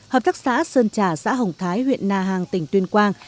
hợp tác xã sơn trà xã hồng thái huyện na hàng tỉnh tuyên quang